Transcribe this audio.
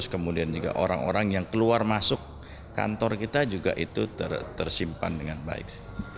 kemudian juga orang orang yang keluar masuk kantor kita juga itu tersimpan dengan baik